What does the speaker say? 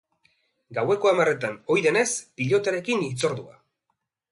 Gaueko hamarretan, ohi denez, pilotarekin hitzordua.